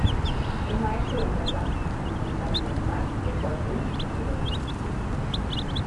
Un maestro entra al baño, encontrando un mar de ecuaciones por todo el piso.